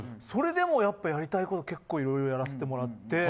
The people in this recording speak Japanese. それでもやっぱやりたいこと結構色々やらせてもらって。